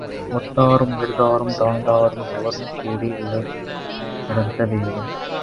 ஒத்தாரும் உயர்ந்தாரும் தாழ்ந்தாரும் எவரும் கூடி உலகியல் நடத்த வேண்டும்.